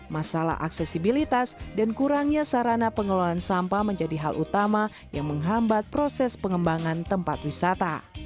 masalah aksesibilitas dan kurangnya sarana pengelolaan sampah menjadi hal utama yang menghambat proses pengembangan tempat wisata